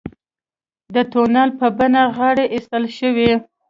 د تونل په بڼه غارې ایستل شوي.